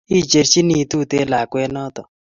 icherchini tuten lakwet noto